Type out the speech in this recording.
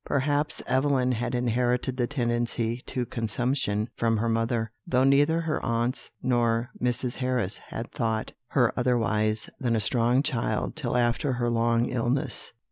Perhaps Evelyn had inherited the tendency to consumption from her mother, though neither her aunts nor Mrs. Harris had thought her otherwise than a strong child till after her long illness.